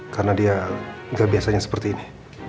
karena dia gak biasanya seperti ini